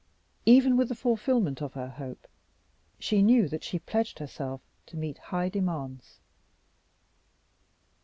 Even with the fulfillment of her hope, she knew that she pledged herself to meet high demands.